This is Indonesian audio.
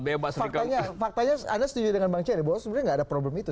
ya pak serikatnya faktanya ada setuju dengan bang ceri bahwa sebenarnya ada problem itu